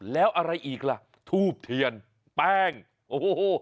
แล้วอะไรอีกล่ะทูบเทียนแป้งโอ้โห